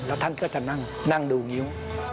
แล้วท่านก็จะนั่งดูงิ้ว